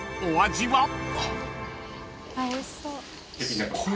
［お味は？］